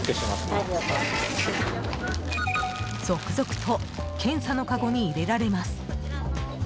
続々と検査のかごに入れられます。